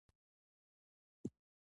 هغه په دې موضوع باندې ناببره نه و پوهېدلی.